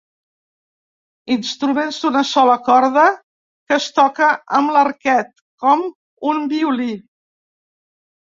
Instruments d'una sola corda que es toca amb l'arquet, com un violí.